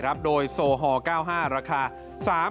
โทษภาพชาวนี้ก็จะได้ราคาใหม่